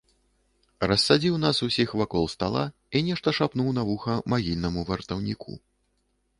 Рассадзіў нас усіх вакол стала і нешта шапнуў на вуха магільнаму вартаўніку.